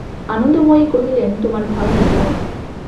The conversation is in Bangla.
আনন্দময়ী কহিলেন, তোমার ভয় নেই বোন!